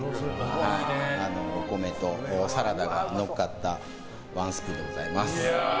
お米とサラダがのっかったワンスプーンでございます。